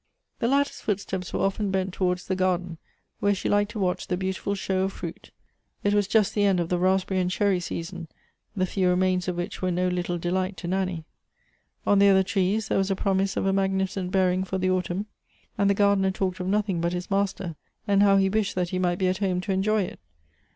The latter's footsteps were often bent towards the gar den, where she liked to w.atch the beautiful show of fruit. It was just tlie end of the raspberry.and cherry season, the few remains of which were no little delight to Nanny. On the other trees there was a promise of a magnificent bearing for the autumn, and the gardener talked of noth ing but his master ; and how he wished that he might be at liome to enjoy it.